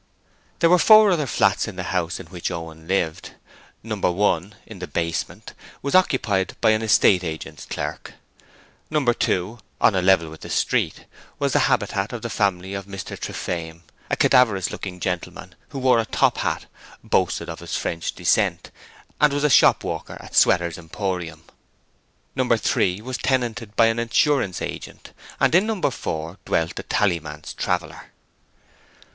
There were four other flats in the house in which Owen lived. No. 1 (the basement) was occupied by an estate agent's clerk. No. 2 on a level with the street was the habitat of the family of Mr Trafaim, a cadaverous looking gentleman who wore a top hat, boasted of his French descent, and was a shop walker at Sweater's Emporium. No. 3 was tenanted by an insurance agent, and in No. 4 dwelt a tallyman's traveller.